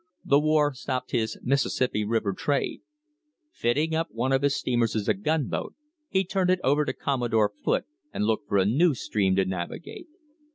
The war stopped his Mis sissippi River trade. Fitting up one of his steamers as a gun boat, he turned it over to Commodore Foote and looked for a new stream to navigate.